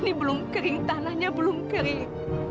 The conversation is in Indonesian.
ini belum kering tanahnya belum kering